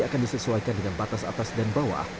akan disesuaikan dengan batas atas dan bawah